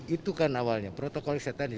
itu kan awalnya protokol kesehatan